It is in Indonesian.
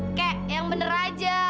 kakek yang bener aja